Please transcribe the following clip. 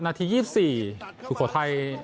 นาที๒๔สุโขทัย